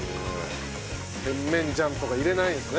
甜麺醤とか入れないんですね。